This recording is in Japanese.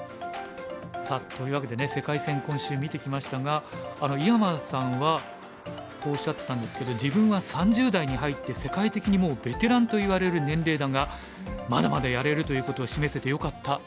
さあというわけでね世界戦今週見てきましたが井山さんはこうおっしゃってたんですけど「自分は３０代に入って世界的にもうベテランといわれる年齢だがまだまだやれるということを示せてよかった」